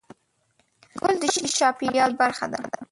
ګل د شین چاپېریال برخه ده.